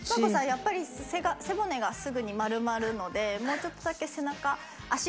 やっぱり背骨がすぐに丸まるのでもうちょっとだけ背中足を近付けていただいて。